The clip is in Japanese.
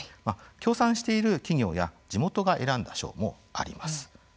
協賛している企業や地元が選んだ賞もあります。